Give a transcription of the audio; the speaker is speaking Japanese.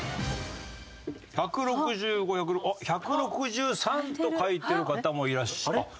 １６５おっ１６３と書いてる方もいらっしゃる。